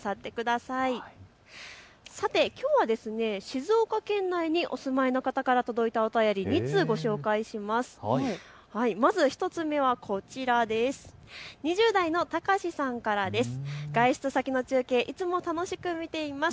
さてきょうは静岡県内にお住まいの方から頂いた２通ご紹介します。